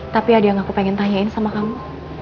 tapi ada yang aku pengen tanyain sama kamu